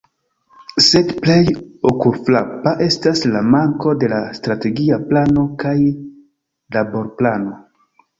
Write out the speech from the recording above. Sed plej okulfrapa estas la manko de la “Strategia Plano kaj Laborplano”.